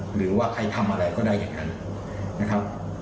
หรือว่าใครทำอะไรก็ได้อย่างนั้นนะครับ